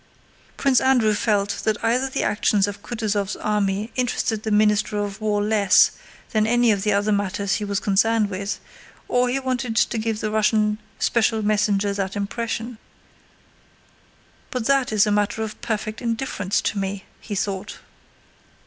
Prince Andrew felt that either the actions of Kutúzov's army interested the Minister of War less than any of the other matters he was concerned with, or he wanted to give the Russian special messenger that impression. "But that is a matter of perfect indifference to me," he thought.